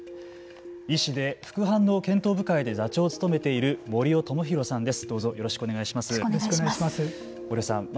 医師で副反応検討部会で座長を務めている森尾友宏さんです。